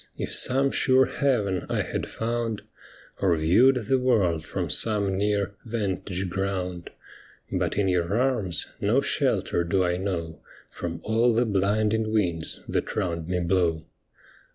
if some sure haven I had found, Or viewed the world from some near vantage ground ; But in your arms no sheher do I know From all the blinding winds that round mc blow.